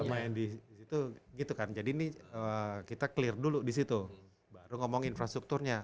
main di situ gitu kan jadi ini kita clear dulu di situ baru ngomong infrastrukturnya